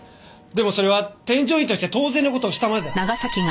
でもそれは添乗員として当然の事をしたまでだ。